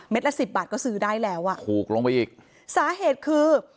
ละสิบบาทก็ซื้อได้แล้วอ่ะถูกลงไปอีกสาเหตุคือ